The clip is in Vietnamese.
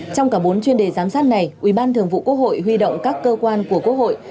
trong cả bốn chuyên đề giám sát này ủy ban thường vụ quốc hội huy động các cơ quan của quốc hội